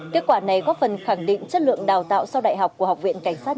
kết quả này góp phần khẳng định chất lượng đào tạo sau đại học của học viện cảnh sát